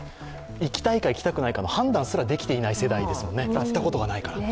行きたいか行きたくないかの判断すらできない世代ですもんね。